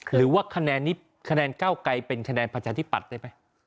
หรือว่าคะแนนนี้คะแนนเก้าไกลเป็นคะแนนประชาธิปัตย์ได้ไหม